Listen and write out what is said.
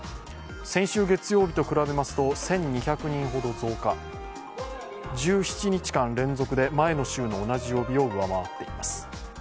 先週月曜日と比べますと１２００人ほど増加、１７日間連続で前の週の同じ曜日を上回っています。